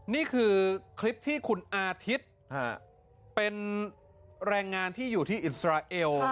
นี่คือคลิปที่คุณอาทิตย์เป็นแรงงานที่อยู่ที่อิสราเอล